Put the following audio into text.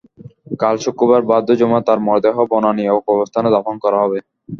কাল শুক্রবার বাদ জুমা তাঁর মরদেহ বনানী কবরস্থানে দাফন করা হবে।